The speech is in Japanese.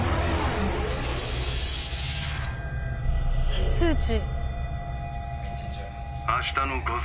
非通知。